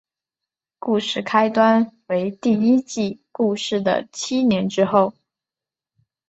故事开端为第一季故事的七年之后。